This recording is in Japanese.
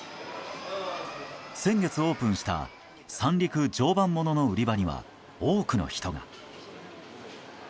先月オープンした三陸・常磐ものの売り場には多くの人が。